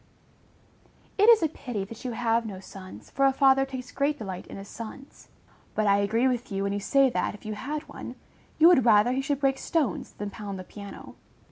_ It is a pity that you have no sons, for a father takes great delight in his sons; but I agree with you, when you say that, if you had one, you would rather he should break stones than pound the piano.